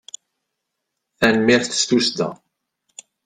Tanemmirt s tussda!